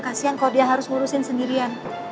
kasian kok dia harus ngurusin sendirian